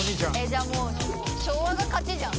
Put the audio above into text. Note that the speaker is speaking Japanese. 「じゃあもう昭和が勝ちじゃん」